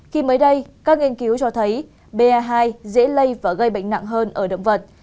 khi mới đây các nghiên cứu cho thấy ba hai dễ lây và gây bệnh nặng hơn ở động vật